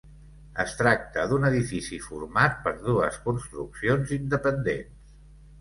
Es tracta d'un edifici format per dues construccions independents.